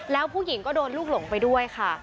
แล้วผู้หญิงก็โดนลูกหลงไปด้วยค่ะ